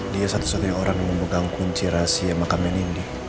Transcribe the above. dia satu satunya orang yang memegang kunci rahasia makaman ini